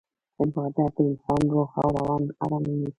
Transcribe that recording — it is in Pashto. عبادت د انسان روح او روان اراموي.